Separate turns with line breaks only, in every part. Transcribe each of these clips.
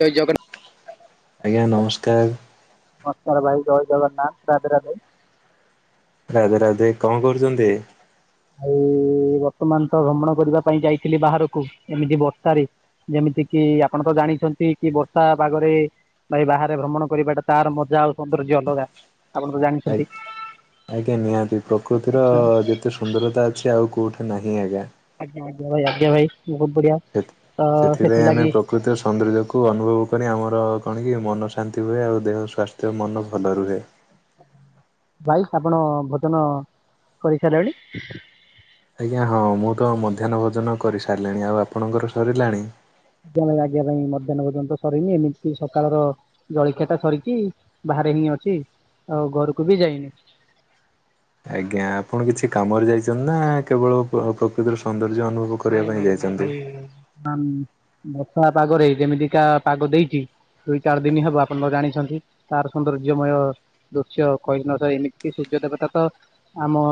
ଜୟ ଜଗନ୍ନାଥ।
ଆଜ୍ଞା ନମସ୍କାର।
ମସର୍ ଭାଇ ଜୟ ଜଗନ୍ନାଥ ରାଧେ ରାଧେ।
ରାଧେ ରାଧେ କଣ କରୁଛନ୍ତି?
ଆଉ ବର୍ତ୍ତମାନ ତ ଭ୍ରମଣ କରିବା ପାଇଁ ଯାଇଥିଲି ବାହାରକୁ ଏମିତି ବର୍ଷାରେ। ଯେମିତି କିି ଆପଣ ତ ଜାଣିଛନ୍ତି କି ବର୍ଷା ପାଗରେ? ଭାଇ ବାହାରେ ଭ୍ରମଣ କରିବାଟା ତାର ମଜା ଆଉ ସୌନ୍ଦର୍ଯ୍ୟ ଅଲଗା। ଆପଣ ତ
ଆ
ଜାଣିଛନ୍ତି।
ଆଜ୍ଞା ନିହାତି ପ୍ରକୃତିର
ଆଚ୍ଛା
ଯେତେ ସୁ ସୁନ୍ଦରତା ଅଛି ଆଉ କୋଉଠି ନାହିଁ ଆଜ୍ଞା।
ଆଜ୍ଞା ଆଜ୍ଞା ଭାଇ ଆଜ୍ଞା ଭାଇ ବହୁତ ବଢିଆ ଅ ସେଥିଲାଗି
ପ୍ରକୃତି ସୌନ୍ଦର୍ଯ୍ୟକୁ ଅନୁଭବ କରି ଆମର କଣ କିି ମନ ଶାନ୍ତି ହୁଏ ଆଉ ଦେହ ସ୍ୱାସ୍ଥ୍ୟ ମନ ଭଲ ରୁହେ।
ଭାଇ ଆପଣ ଭୋଜନ କରି ସାରିଲେଣି?
ଆଜ୍ଞା ହଁ ମୁଁ ତ ମଧ୍ୟାହ୍ନ ଭୋଜନ କରିସାରିଲିଣି ଆଉ ଆପଣଙ୍କର ସରିଲାଣି?
[unintelligible] ମଧ୍ୟାହ୍ନ ଭୋଜନ ସରିନି ଏମିତି ସକାଳର ଜଳଖିଆ ଟା ସରିଛି ବାହାରେ ହିଁ ଅଛି ଆଉ ଘରକୁ ବି ଯାଇନି।
ଆଜ୍ଞା ଆପଣ କିଛି କାମରେ ଯାଇଛନ୍ତି ନା କେବଳ ପ୍ର ପ୍ରକୃତିର ସୌନ୍ଦର୍ଯ୍ୟ ଅନୁଭବ କରିବା
ନାଇଁ
ପାଇଁ
ଭାଇ ନାଇଁ
ଯାଇଛନ୍ତି?
ଭାଇ ନାନ୍ ବର୍ତ୍ତମାନ ବର୍ଷା ପାଗରେ ଯେମିତିକା ପାଗ ଦେଇଛି ଦୁଇ ଚାରି ଦିନ ହବ ଆପଣ ଜାଣିଛନ୍ତି ତାର ସୌନ୍ଦର୍ଯ୍ୟମୟ ଦୃଶ୍ୟ କହିଲନି ତ ଏମିତି ସୂର୍ଯ୍ୟ ଦେବତା ତ ଆମ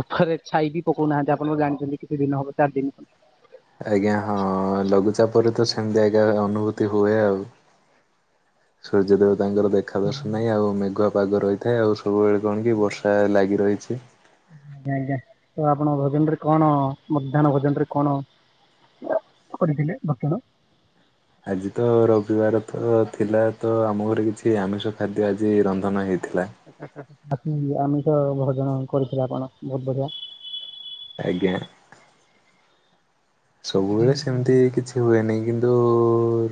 ଉପରେ ଛାଇ ବି ପକଉନାହାନ୍ତି ଆପଣ ଜାଣିଛନ୍ତି କିଛି ଦିନ ହବ ଚାରି ଦିନ।
ଆଜ୍ଞା ହଁ ଲଘୁଚାପ ପରେ ତ ସେମିତି ଆଜ୍ଞା ଅନୁଭୂତି ହୁଏ ଆଉ। ସୂର୍ଯ୍ୟଦେବତାଙ୍କର ଦେଖା ଦର୍ଶନ ନାହିଁ ଆଉ ମେଘୁଆ ପାଗରେ। ଥାଏ ଆଉ ସବୁବେଳେ କଣ କି ବର୍ଷା ଲାଗି ରହିଛି।
ଆଜ୍ଞା ଆଜ୍ଞା ତ ଆପଣ ଭୋଜନ ରେ କଣ ମଧ୍ୟାହ୍ନ ଭୋଜନ ରେ କଣ? କରିଥିଲେ ଭକ୍ଷଣ?
ଆଜି ତ ରବିବାର ତ ଥିଲା ତ ଆମ ଘରେ କିଛି ଆମିଷ ଖାଦ୍ୟ ଆଜି ରନ୍ଧନ ହେଇଥିଲା।
ଆହା ଆଜି ଆମେ ତ ଭଜନ କରିଥିଲେ ଆପଣ ବହୁତ ବଢିଆ।
ଆଜ୍ଞା। ସବୁବେଳେ ସେମିତି କିଛି ସେ ହୁଏନି କିନ୍ତୁ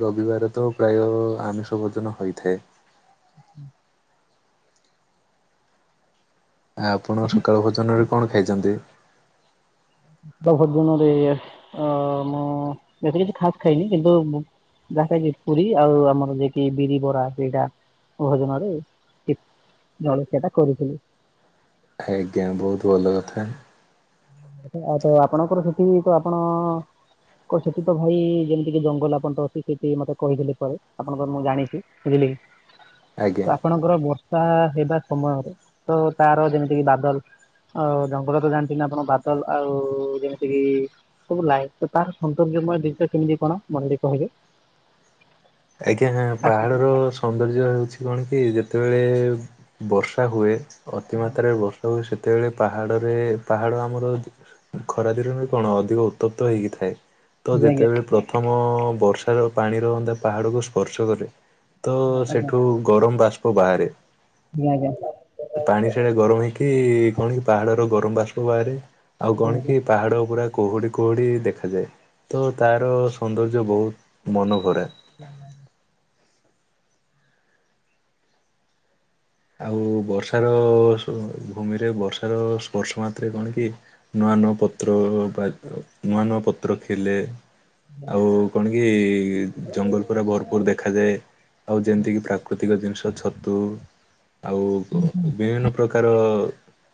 ରବିବାର ତ ପ୍ରାୟ ଆମିଷ ଭୋଜନ ହୋଇଥାଏ।
ଉ ହୁଁ।
ଆପଣ ସକାଳ ଭୋଜନରେ କଣ ଖାଇଛନ୍ତି?
ଭୋଜନରେ ଅ ମୁଁ ଏ କିଛି ଖାସ ଖାଇନି କିନ୍ତୁ ଯାହା କି ପୁରୀ ଆଉ ଆମର ଯେକି ବିରି ବରା ସେଇଟା। ଭୋଜନରେ ଇ ଜଳଖିଆ ଟା କରିଥିଲି?
ଆଜ୍ଞା ବହୁତ ଭଲ କଥା।
ଆଉ ତ ଆପଣଙ୍କର ସେଠି ତ ଆପଣ କ ସେଠି ତ ଭାଇ ଯେମିତିକ ଜଙ୍ଗଲ ଆପଣଙ୍କ ଅଛି ସେଠି ମତେ କହିଥିଲେ ପରେ ଆପଣଙ୍କର ମୁଁ ଜାଣିଛି। ବୁଝିଲେ କି
ଆଜ୍ଞା।
ତ ଆପଣ ତ ବର୍ଷା ହେବା ସମୟରେ ତ ତାର ଯେମିତିକି ବାଦଲ ଆଉ ଜଙ୍ଗଲ ତ ଜାଣିଛନ୍ତି ଆପଣ ବାଦଲ ଆଉ ଯେମିତି କିି ସବୁ ଲାଇଟ୍ ତ ତାର ସୌନ୍ଦର୍ଯ୍ୟମୟ ଦିନିଟା କେମିତି କଣ ମଣ୍ଡିତ ହେବେ।
ଆଜ୍ଞା
ପ୍ରାକୃତିକ
ପାହାଡର ସୌନ୍ଦର୍ଯ୍ୟ ହେଉଛି କଣ କି ଯେତେବେଳେ ବର୍ଷା ହୁଏ
ଆଜ୍ଞା
ଅତିମାତ୍ରାରେ ବର୍ଷ ଆଉ ସେତେବେଳେ ପାହାଡ଼ରେ ପାହାଡ଼ ଆମର ଖରାଦିନରେ କଣ ଅଧିକ ଉତ୍ତପ୍ତ ହେଇକିଥାଏ। ତ
ଆଜ୍ଞା
ଯେତେବେଳେ ପ୍ରଥମ ବର୍ଷାର ପାଣି ରହନ୍ତା ପାହାଡ଼କୁ ସ୍ପର୍ଶ କରେ ତ
ଆଜ୍ଞା
ସେଠୁ ଗରମ ବାଷ୍ପ ବାହାରେ।
ଆଜ୍ଞା [unintelligible]
ପାଣି ଗରମ ହେଇକି କଣ କି ପାହାଡ଼ର ଗରମ ବାଷ୍ପ ବାହାରେ ଆଉ
ଆଜ୍ଞା ଆଜ୍ଞା
କଣ କି ପାହାଡ଼ ଉପରେ କୁହୁଡ଼ି କୁହୁଡ଼ି ଦେଖାଯାଏ। ତ ତାର ସୌନ୍ଦର୍ଯ୍ୟ ବହୁତ ମନ ଭରା।
ଆଜ୍ଞା [unintelligible]
ଆଉ ବର୍ଷାର ଭୂମିରେ ବର୍ଷାର ସ୍ପର୍ଶ ମାତ୍ରେ କଣ କି ନୂଆ ନୂଆ ପତ୍ର ବା ନୂଆ ନୂଆ ପତ୍ର ଖିଲେ ଆଉ କଣ କି ଜଙ୍ଗଲ ପୁରା ଭରପୁର ଦେଖାଯାଏ। ଆଉ ଯେମିତିକି ପ୍ରାକୃତିକ ଜିନିଷ ଛତୁ ଆଉ ବିଭିନ୍ନ ପ୍ରକାର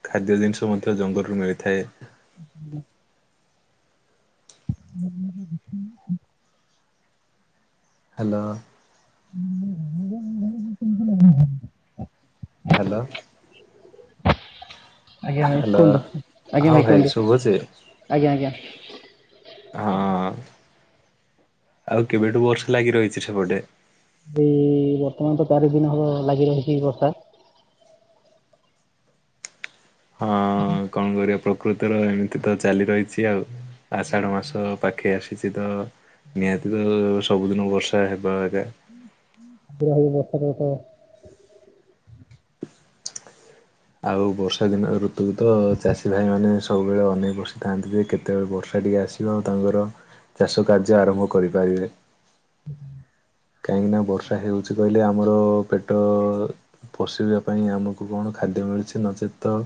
ଖାଦ୍ୟ ଜିନିଷ ମଧ୍ୟ ଜଙ୍ଗଲରୁୁ ମିଳିଥାଏ।
[unintelligible] [unintelligible]
ହ୍ୟାଲୋ।
[unintelligible]
ହ୍ୟାଲୋ।
ଆଜ୍ଞା ଭାଇ
ହ୍ୟାଲୋ
କୁହନ୍ତୁ। ଆଜ୍ଞା
ହଁ ଭାଇ
କୁହନ୍ତୁ
ଶୁଭୁଚି
ଆଜ୍ଞା ଆଜ୍ଞା।
ହଁ ଆଉ କେବେଠୁ ବର୍ଷା ଲାଗି ରହିଛି ସେପଟେ
ଯୋଉଁ ବର୍ତ୍ତମାନ ତ ଚାରି ଦିନ ହବ ଲାଗି ରହିଚି ବର୍ଷା।
ହଁ କଣ କରିବା ପ୍ର ପ୍ରକୃତିର ଏମିତି ତ ଚାଲି ରହିଛି ଆଉ ଆଷାଢ ମାସ ପାଖେଇ ଆସିଛି ତ ନିହାତି ଭାବେ ସବୁଦିନ ବର୍ଷା ହେବା ଆ
ଆଗ୍ରହୀ ବର୍ଷର ତ
ଆଉ ବର୍ଷା ଦିନ ଋତୁକୁ ତ ଚାଷୀ ଭାଇମାନେ ସବୁବେଳେ ଅନେକ ବସିଥାନ୍ତି ଯେ କେତେବେଳେ ବର୍ଷା ଟିକିଏ ଆସିବ। ଏବଂ ଆଉ ତାଙ୍କର ଚାଷ କାର୍ଯ୍ୟ ଆରମ୍ଭ କରିପାରିବେ। କାହିଁକିନା ବର୍ଷା ହେଉଛି କହିଲେ ଆମର ପେଟ ପଶିବା ପାଇଁ ଆମକୁ କଣ ଖାଦ୍ୟ ମିଳୁଛି ନଚେତ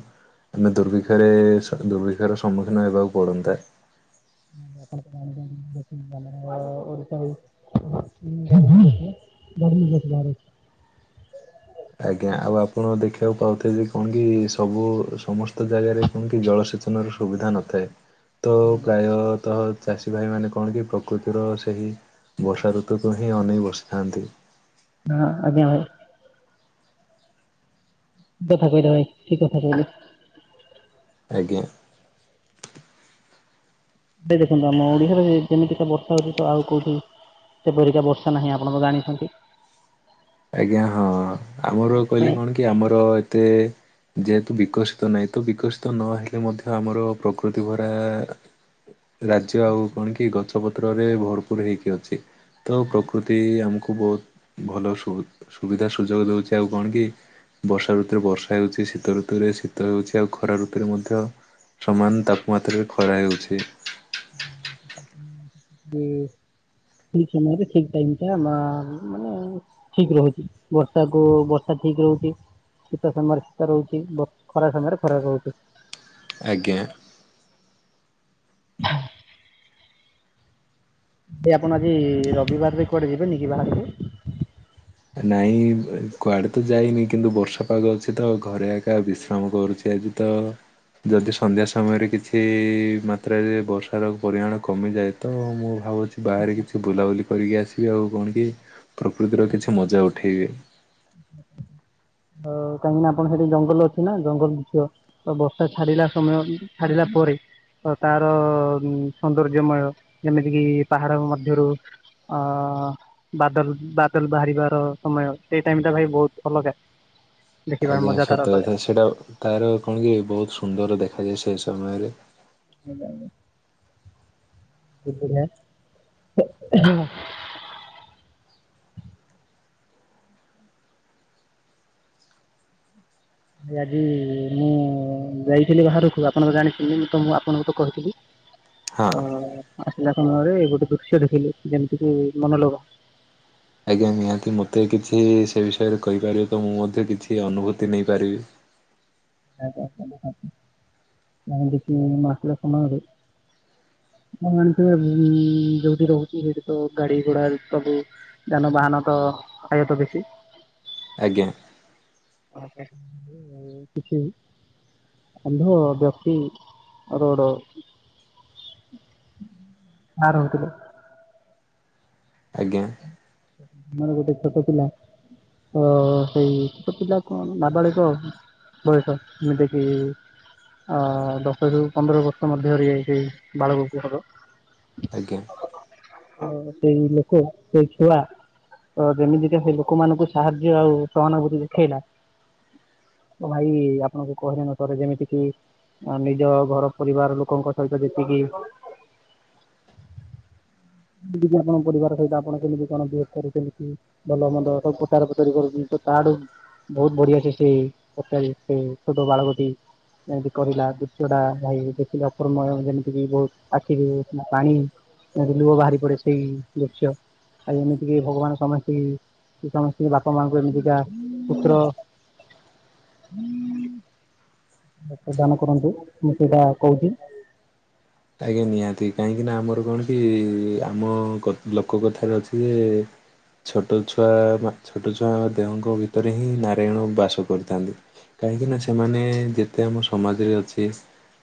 ଆମେ ଦୁର୍ବିକ୍ଷରେ ଦୁର୍ବିକ୍ଷର ସମ୍ମୁଖୀନ ହେବାକୁ ପଡ଼ନ୍ତା।
ଆପଣ ତ ଜାଣିଛନ୍ତି [unintelligible] ଆଛା ହଉ। [unintelligible] [unintelligible]
ଆଜ୍ଞା ଆଉ ଆପଣ ଦେଖିବାକୁ ପାଉଥିବେ ଯେ କଣ କି ସବୁ ସମସ୍ତ ଜାଗାରେ କି ଜଳସେଚନର ସୁବିଧା ନଥାଏ। ତ ପ୍ରାୟତଃ ଚାଷୀ ଭାଇମାନେ କଣ କି ପ୍ରକୃତିର ସେହି ବର୍ଷା ଋତୁକୁ ହିଁ ଅନେଇ ବସିଥାନ୍ତି।
ହଁ ଆଜ୍ଞା ଭାଇ। କଥା କହିଲା ଭାଇ ଠିକ କଥା କହିଲ
ଆଜ୍ଞା।
ଏଇ ଦେଖନ୍ତୁ ଆମ ଓଡିଆରେ ଯେମିତିକା ବର୍ଷା ହୋଉଚି ତ ଆଉ କୋଉଠି ସେପରିକା ବର୍ଷା ନାହିଁ ଆପଣ ତ ଜାଣିଛନ୍ତି।
ଆଜ୍ଞା ହଁ ଆମର କହିଲେ
ସେଥିପାଇଁ
କଣ କି ଆମର ଏତେ ଯେହେତୁ ବିକଶିତ ନାହିଁ ତ ବିକଶିତ ନହେଲେ ମଧ୍ୟ ଆମର ପ୍ରକୃତି ଭରା ରାଜ୍ୟ ଆଉ କଣ କି ଗଛ ପତ୍ରରେ ଭରପୁର ହେଇକି ଅଛି। ତ ପ୍ରକୃତି ଆମକୁ ବୋହୁତ ଭଲ ସୁବି-ସୁବିଧା ସୁଯୋଗ ଦଉଚି ଆଉ କଣ କି ବର୍ଷା ଋତୁରେ ବର୍ଷା ହେଉଚି ଶୀତ ଋତୁରେ ଶୀତ ହେଉଚି ଆଉ ଖରା ଋତୁରେ ମଧ୍ୟ ସମାନ ତାପମାତ୍ରାରେ ଖରା ବି ହେଉଚି।
ଠିକ୍ ସମୟରେ ଠିକ୍ ଟାଇମ୍ ଟା ମା-ମାନେ ଠିକ୍ ରହୁଚି ବର୍ଷା କୁ ବର୍ଷା ଠିକ୍ ରହୁଚି। ଶୀତ ସମୟରେ ଶୀତ ରହୁଚି। ବ ଖରା ସମୟରେ ଖରା ରହୁଚି।
ଆଜ୍ଞା।
ହ ଏଇ ଆପଣ ଆଜି ରବିବାରରେ କୁଆଡେ ଯିବେନି କିି ବାହାରୁ କୁ?
ନାଇଁ କୁଆଡେ ତ ଯାଇନି କିନ୍ତୁ ବର୍ଷା ପାଗ ଅଛି ତ ଘରେ ଏକା ବିଶ୍ରାମ କରୁଚି ଆଜି। ତ ଯଦି ସନ୍ଧ୍ୟା ସମୟରେ କିଛି ମାତ୍ରାରେ ବର୍ଷାର ପରିମାଣ କମିଯାଏ। ତ ମୁଁ ଭାବୁଚି ବାହାରେ କିଛି ବୁଲାବୁଲି କରିକି ଆସିବି। ଆଉ କଣ କି ପ୍ରକୃତିର କିଛି ମଜା ଉଠେଇ ଦିଏ।
ଆଉ କାହିଁକି ନା ଆପଣ ସେଇଠି ଜଙ୍ଗଲ ଅଛି ନା ଜଙ୍ଗଲ ଦୁଶିବ। ଆଉ ବର୍ଷା ଛାଡିଲା ସମୟ ଛାଡିଲା ପରେ ତ ତାର ସୌନ୍ଦର୍ଯ୍ୟମୟ ଯେମିତିକି ପାହାଡ ମଧ୍ୟରୁ ଅ ବାଦଲ ବାଦଲ ବାହାରିବାର ସମୟ ସେଇ ଟାଇମ୍ ଟା ଭାଇ ବୋହୁତ ଅଲଗା। ଦେଖିବାର
ଆଜ୍ଞା
ମଜା ତା'ର
ସତ
ଅଲଗା
କଥା ସେଇଟା ତାର କଣ କି ବୋହୁତ ସୁନ୍ଦର ଦେଖାଯାଏ ସେ ସମୟରେ।
[unintelligible] [unintelligible] ଭାଇ ଆଜି ମୁଁ ଯାଇଥିଲି ବାହାରକୁ ଆପଣ ତ ଜାଣିଥିଲି ମୁଁ ତ ମୁଁ ଆପଣଙ୍କୁ ତ କହିଥିଲି।
ହଁ।
ତ ଆସିଲାରେ ସମୟ ଗୋଟେ ଦୃଶ୍ୟ ଦେଖିଲି ଯେମିତି କି ମନୋଲୋଭା।
ଆଜ୍ଞା ନିହାତି ମତେ କିଛି ସେ ବିଷୟରେ କହିପାରିବେ ତ ମୁଁ ମଧ୍ୟ କିଛି ଅନୁଭୂତି ନେଇପାରିବି।
[unintelligible] [inaudible] ଦେଖିକି ମୁଁ ଆସିଲି ସମୟ ରେ [unintelligible] ଯୋଉଠି ରହୁଚି ସେଇଠି ତ ଗାଡି ଘୋଡା ସବୁ ଯାନବାହନ ତ ଆୟତ ବେଶୀ।
ଆଜ୍ଞା।
[unintelligible] ଆଉ କିଛି ଅନ୍ଧ ବ୍ୟକ୍ତି ରୋଡ ପାର ହୋଉଥିଲେ।
ଆଜ୍ଞା।
ଆମର ଗୋଟେ ଛୋଟ ପିଲା ଓ ସେଇ ଛୋଟ ପିଲା କଣ ନାବାଳିକ ଆଉ। ବର୍ଷ ଯେମିତି କି ଅ ଦଶରୁ ପନ୍ଦର ବର୍ଷ ମଧ୍ୟରେ ସେଇ ବାଳକ କୁ ହବ।
ଆଜ୍ଞା।
ଆ ସେଇ ଲୋକ ସେଇ ଛୁଆ ତ ଯେମିତିକା ସେ ଲୋକମାନଙ୍କୁ ସାହାଯ୍ୟ ଆଉ ସହାନୁଭୂତି ଦେଖେଇଲା। ଏ ଭାଇ ଆପଣଙ୍କୁ କହିଲେ ନସରେ ଯେମିତି କି ଆ ନିଜ ଘର ପରିବାର ଲୋକଙ୍କ ସହିତ ଯେତିକି ଯଦି ଆପଣ ପରିବାର ସହିତ ଆପଣ କେମିତି କଣ ବିହେବ କରୁଚନ୍ତି କି? ଭଲ ମନ୍ଦ ସବୁ ପଚରା ପଚୁରି କରୁଚି। ସେ ତା ଆଡୁ ବୋହୁତ ବଢିଆ [unintelligible] ଛୋଟ ବାଳକଟି। ଯେମିତି କହିଁଲା ଦୁ ଚଟା ଭାଇ ଦେଖିଲ ଅପର୍ମୟ ଯେମିତିକ ବହୁତ ଆଖିରୁ ପାଣି ଯେମିତି ଲୁହ ବାହାରି ପଡେ ସେଇ ଦୃଶ୍ୟ ଆଉ ଏମିତିକି ଭଗବାନ ସମସ୍ତେ କି କି ସମସ୍ତି କୁ ବାପା ମାଆଙ୍କୁ ଏମିତିକା ପୁତ୍ର ଦାନ କରନ୍ତୁ ମୁଁ ସେଇଟା କହୁଛି
ଆଜ୍ଞା ନିହାତି କାହିଁକି ନା ଆମର କଣ କି ଆମ କ ଲୋକ କଥାରେ ଅଛି ଯେ ଛୋଟ ଛୁଆ ନା ଛୋଟ ଛୁଆ ଦେହଙ୍କ ଭିତରେ ହିଁ ନାରାୟଣ ବାସ କରିଥାନ୍ତି। କାହିଁକିନା ସେମାନେ ଯେତେ ଆମ ସମାଜରେ ଅଛି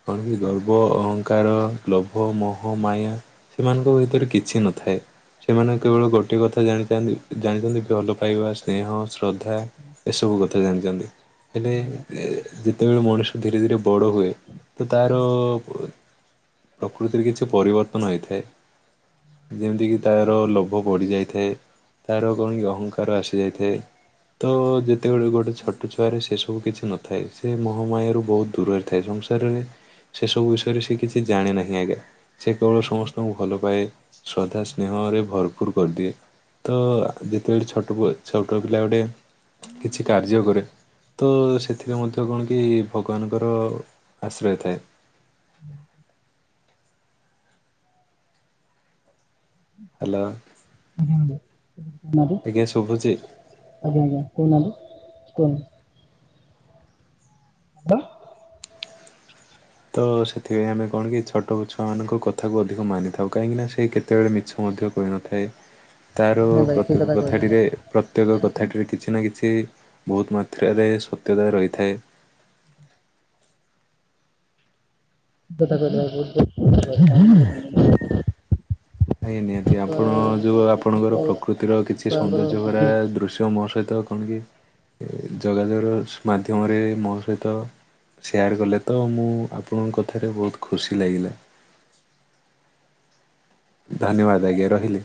କଣ କି ଗର୍ବ ଅହ କାରଣ ଲୋଭ ମୋହ ମାୟା ସେମାନଙ୍କ ଭିତରେ କିଛି ନଥାଏ ସେମାନେ କେବଳ ଗୋଟେ କଥା ଜାଣିଥାନ୍ତି। ଜାଣିଛନ୍ତି ଭଲ ପାଇବା ସ୍ନେହ ଶ୍ରଦ୍ଧା ଏସବୁ କଥା ଜାଣିଛନ୍ତି। ହେଲେ ଏ ଯେତେବେଳେ ମଣିଷ ଧୀରେ ଧୀରେ ବଡ ହୁଏ ତ ତାର ପ୍ରକୃତିରେ କିଛି ପରିବର୍ତ୍ତନ ହେଇଥାଏ ଯେମିତିକି ତାର ଲୋଭ ବଢି ଯାଇଥାଏ ତାର କଣ କି ଅହଙ୍କାର ଆସିଯାଇଥାଏ ତ ଯେତେବେଳେ ଗୋଟେଛଟ ଛୁଆରେ ସେ ସବୁ କିଛି ନଥ ଥାଏ ସେ ମୋହମାୟାରୁ ବହୁତ ଦୂରରେ ଥାଏ ସଂସାରରେ ସେ ସବୁ ବିଷୟରେ ସେ କିଛି ଜାଣେ ନାହିଁ ଆଜ୍ଞା ସେ କେବଳ ସମସ୍ତଙ୍କୁ ଭଲ ପାଏ ଶ୍ରଦ୍ଧା ସ୍ନେହରେ ଭରପୁର କରିଦିଏ ତ ଯେତେବେଳେ ଛୋଟ ଛୋଟ ପିଲା ଗୋଟେ କିଛି କାର୍ଯ୍ୟ କରେ ତ ସେଥିରେ ମଧ୍ୟ କଣ କି ଭଗବାନଙ୍କର ଆଶ୍ରୟ ଥାଏ ହ୍ୟାଲୋ
ଉ ହୁ ନାରୀ
ଆଜ୍ଞା ଶୁଭୁଛି?
ଆଜ୍ଞା ଆଜ୍ଞା କହୁନାହାନ୍ତି କୁହନ ହ
ତ ସେଥିପାଇଁ ଆମେ କଣ କି ଛୋଟ ଛୁଆ ମାନଙ୍କ କଥାକୁ ଅଧିକ ମାନିଥାଉ କାହିଁକି ନା ସେ କେ ତେଳେ ମିଛ ମଧ୍ୟ କହିନଥାଏ ତାର
ନାଇଁ ଭାଇ ସେଇ
ପ୍ରତ୍ୟେକ
କଥା କହିଲେ
କଥାଟିରେ ପ୍ରତ୍ୟେକ କଥାଟିରେ କିଛି ନା କିଛି କି ବହୁତ ମାତ୍ରାରେ ସତ୍ୟତା ରହିଥାଏ
ଯେତେ କଥା କୁ [unintelligible]
ଆଜ୍ଞା ନିହାତି ଆପଣ ଯେଉଁ ଆପଣଙ୍କର
ଛୋଟ
ପ୍ରକୃତିର କିଛି
ଛୁଆଙ୍କର
ସୌନ୍ଦର୍ଯ୍ୟ ଭରା
ବୁଦ୍ଧି
ଦୃଶ୍ୟ ମୋ ସହିତ କଣ କି ଯୋଗାଯୋଗ ମାଧ୍ୟମରେ ମୋ ସହିତ ସେୟାର୍ କଲେ ତ ମୁଁ ଆପଣଙ୍କ କଥାରେ ବହୁତ ଖୁସି ଲାଗିଲା ଧନ୍ୟବାଦ ଆଜ୍ଞା ରହିଲି